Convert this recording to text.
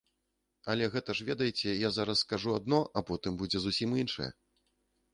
Але гэта ж, ведаеце, я зараз скажу адно, а потым будзе зусім іншае.